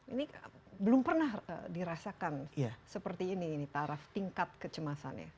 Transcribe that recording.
ini belum pernah dirasakan seperti ini ini taraf tingkat kecemasannya